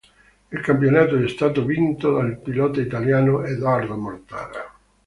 Il campionato è stato vinto dal pilota italiano Edoardo Mortara.